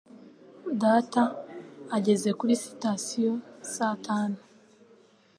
Data ageze kuri sitasiyo saa tanu.